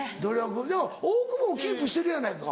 でも大久保もキープしてるやないか。